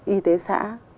y tế xã